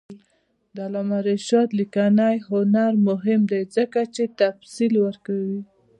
د علامه رشاد لیکنی هنر مهم دی ځکه چې تفصیل ورکوي.